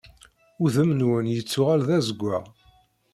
Udem-nwen yettuɣal d azeggaɣ.